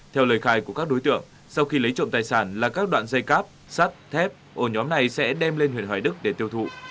theo lời khai của các đối tượng sau khi lấy trộm tài sản là các đoạn dây cáp sắt thép ổ nhóm này sẽ đem lên huyện hoài đức để tiêu thụ